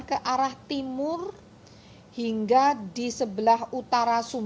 dia sudah memberikan detik sebanyak tempat untuk turun